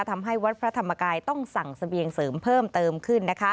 ทำให้วัดพระธรรมกายต้องสั่งเสบียงเสริมเพิ่มเติมขึ้น